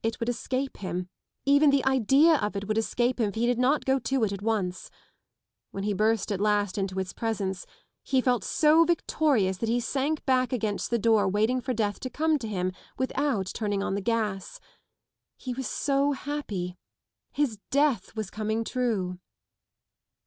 It would escape him, even the idea of It would escape him if he did not go to it at once. When he burst at last into Its presence he felt so victorious that he sank back against the door waiting for death to come to him without turning on the gas. He was so happy. His death was coming true.